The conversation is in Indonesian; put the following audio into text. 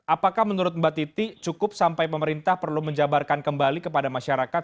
apakah menurut mbak titi cukup sampai pemerintah perlu menjabarkan kembali kepada masyarakat